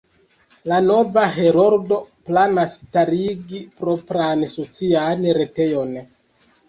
La nova Heroldo planas starigi propran socian retejon.